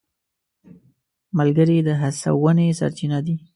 ملګري د هڅونې سرچینه دي.